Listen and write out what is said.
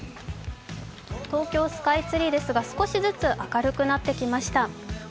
東京スカイツリーですが、少しずつ明るくなってきました。